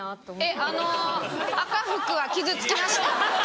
えっあの赤福は傷つきました。